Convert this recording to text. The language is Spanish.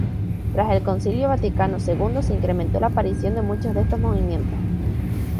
Tras el Concilio Vaticano Segundo se incrementó la aparición de muchos de estos movimientos.